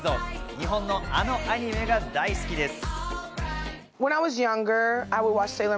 日本のあのアニメが大好きです。